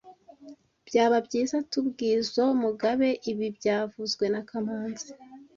Byaba byiza tubwizoe Mugabe ibi byavuzwe na kamanzi